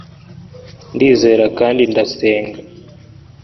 ndizera kandi ndasenga